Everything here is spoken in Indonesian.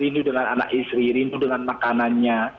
rindu dengan anak istri rindu dengan makanannya